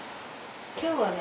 今日はね